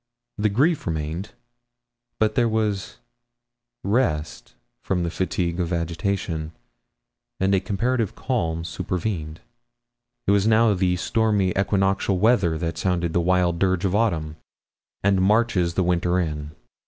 The grief remained, but there was rest from the fatigue of agitation, and a comparative calm supervened. It was now the stormy equinoctial weather that sounds the wild dirge of autumn, and marches the winter in.